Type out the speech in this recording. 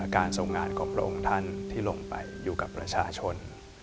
ทรงงานของพระองค์ท่านที่ลงไปอยู่กับประชาชน